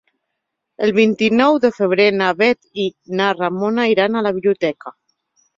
El vint-i-nou de febrer na Bet i na Ramona iran a la biblioteca.